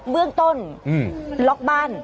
เบื้องต้นล็อกบ้าน